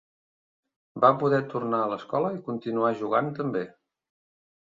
Va poder tornar a l'escola i continuar jugant també.